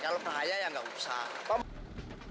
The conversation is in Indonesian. kalau bahaya ya nggak usah